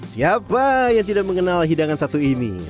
siapa yang tidak mengenal hidangan satu ini